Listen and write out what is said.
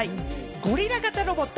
ゴリラ型ロボット。